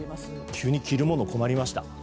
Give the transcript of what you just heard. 急に着るものに困りました。